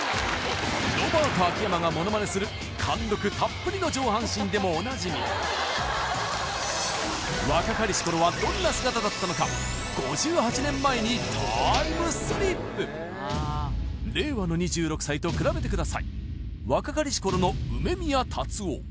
ロバート秋山がモノマネする貫禄たっぷりの上半身でもおなじみ若かりし頃はどんな姿だったのか５８年前にタイムスリップ令和の２６歳と比べてください若かりし頃の梅宮辰夫